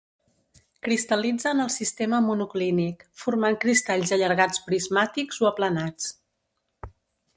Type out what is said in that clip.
Cristal·litza en el sistema monoclínic, formant cristalls allargats prismàtics o aplanats.